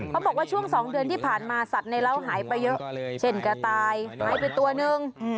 บอกว่าช่วง๒เดือนที่ผ่านมาสัตว์ในเล้าหายไปเยอะเช่นกระต่ายหายไปตัวหนึ่ง